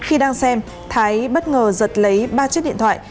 khi đang xem thái bất ngờ giật lấy ba chiếc điện thoại